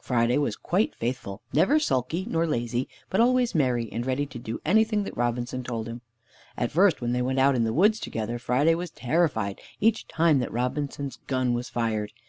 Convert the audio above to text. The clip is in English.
Friday was quite faithful, never sulky nor lazy, but always merry, and ready to do anything that Robinson told him. At first when they went out in the woods together, Friday was terrified each time that Robinson's gun was fired.